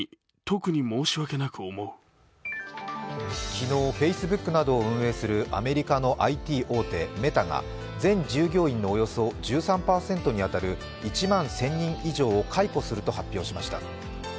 昨日、Ｆａｃｅｂｏｏｋなどを運営するアメリカのＩＴ大手、メタが全従業員のおよそ１３％に当たる１万１０００人以上を解雇すると発表しました。